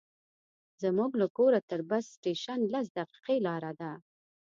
زموږ له کوره تر بس سټېشن لس دقیقې لاره ده.